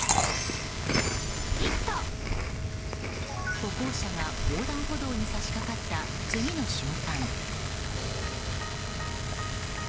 歩行者が横断歩道にさしかかった、次の瞬間。